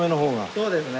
そうですね。